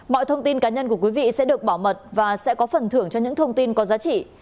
mọi thông tin cá nhân của quý vị sẽ được bảo mật và sẽ có phần thưởng cho những thông tin có giá trị